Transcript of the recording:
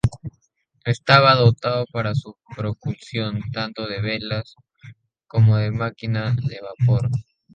Estaba dotado para su propulsión tanto de velas, como de máquina de vapor.